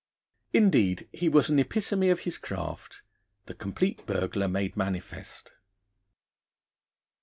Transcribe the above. Indeed, he was an epitome of his craft, the Complete Burglar made manifest.